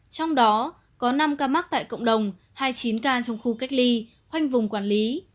trong đó có năm ca mắc tại cộng đồng hai mươi chín ca trong khu cách ly khoanh vùng quản lý